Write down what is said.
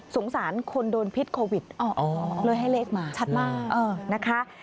สารคนโดนพิษโควิดเลยให้เลขมาชัดมากนะคะ